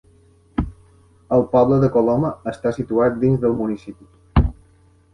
El poble de Coloma està situat dins del municipi.